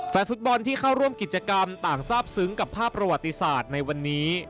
แฟนฟุตบอลที่เข้าร่วมกิจกรรมต่างทราบซึ้งกับภาพประวัติศาสตร์ในวันนี้